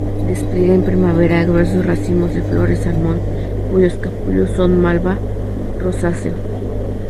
Despliega en primavera gruesos racimos de flores salmón, cuyos capullos son malva rosáceo.